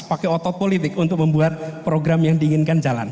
pakai otot politik untuk membuat program yang diinginkan jalan